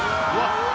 うわ！